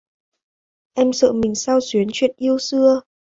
Em sợ mình xao xuyến chuyện yêu xưa